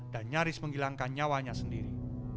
dan nyaris menghilangkan nyawanya sendiri